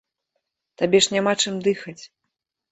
Табе ж няма чым дыхаць.